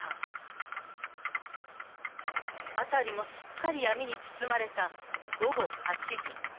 ［辺りもすっかり闇に包まれた午後８時］